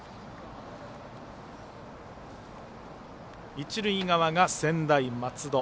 一塁側が専大松戸。